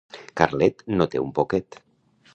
Carlet no té un poquet.